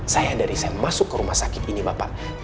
sayang dari saya masuk ke rumah sakit ini bapak